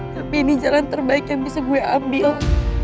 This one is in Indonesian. tapi ini jalan terbaik yang bisa gue ambil